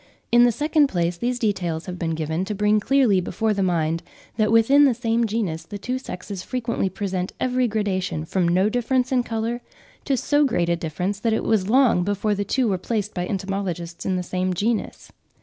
In the second place, these details have been given to bring clearly before the mind that within the same genus, the two sexes frequently present every gradation from no difference in colour, to so great a difference that it was long before the two were placed by entomologists in the same genus.